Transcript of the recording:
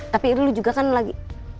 tapi itu lu juga kan lagi